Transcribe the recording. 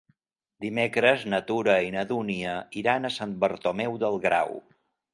Dimecres na Tura i na Dúnia iran a Sant Bartomeu del Grau.